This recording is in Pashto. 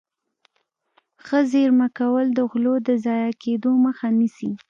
ښه زيرمه کول د غلو د ضايع کېدو مخه نيسي.